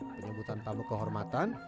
penyebutan tamu kehormatan